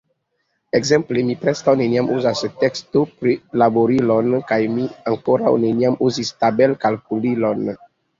Ekzemple, mi preskaŭ neniam uzas tekstoprilaborilon, kaj mi ankoraŭ neniam uzis tabelkalkulilon.